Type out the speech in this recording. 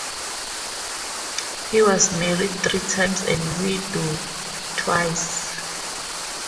He was married three times and widowed twice.